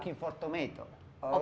kamu mencari tomatku